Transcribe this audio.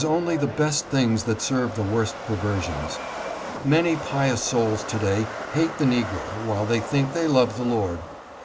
687 only the best things that serve the worst perversions. Many pious souls to day hate the negro while they think they love the Lord.